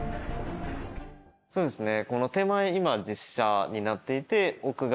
そうですね。